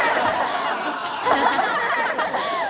ハハハハ！